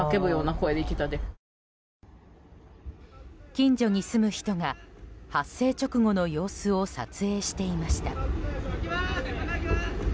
近所に住む人が、発生直後の様子を撮影していました。